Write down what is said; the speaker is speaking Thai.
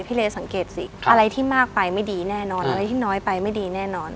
เลสังเกตสิอะไรที่มากไปไม่ดีแน่นอนอะไรที่น้อยไปไม่ดีแน่นอน